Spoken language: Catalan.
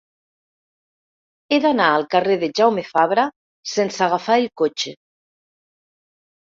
He d'anar al carrer de Jaume Fabra sense agafar el cotxe.